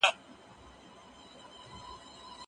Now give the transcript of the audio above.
انځور د زده کوونکي له خوا کتل کيږي؟!